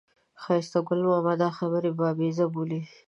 ښایسته ګل ماما دا خبرې بابیزه بولي.